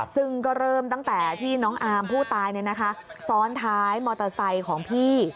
ซึ่งก็เริ่มตั้งแต่ที่น้องอามผู้ตายซ้อนท้ายมอเตอร์ไซค์ของพี่